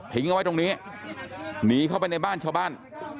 เอาไว้ตรงนี้หนีเข้าไปในบ้านชาวบ้าน